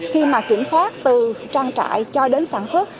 khi mà kiểm soát từ trang trại cho đến sản xuất